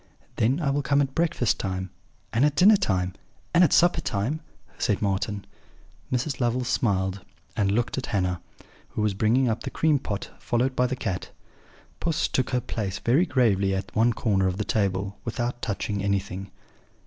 "'Then I will come at breakfast time, and at dinner time, and at supper time,' said Marten. "Mrs. Lovel smiled and looked at Hannah, who was bringing up the cream pot, followed by the cat. Puss took her place very gravely at one corner of the table, without touching anything.